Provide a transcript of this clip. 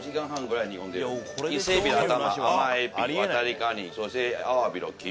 伊勢海老の頭甘エビワタリガニそしてアワビの肝